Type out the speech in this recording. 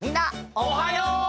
おはよう！